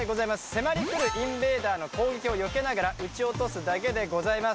迫り来るインベーダーの攻撃をよけながら撃ち落とすだけでございます。